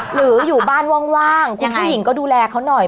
หรืออยู่บ้านว่างคุณผู้หญิงก็ดูแลเขาหน่อย